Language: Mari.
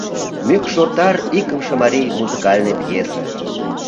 «Мӱкш отар» — икымше марий музыкальный пьесе.